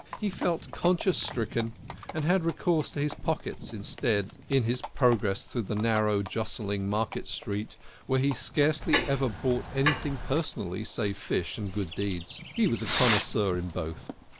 He felt conscience stricken, and had recourse to his pockets instead in his progress through the narrow jostling market street, where he scarcely ever bought anything personally save fish and good deeds. He was a connoisseur in both.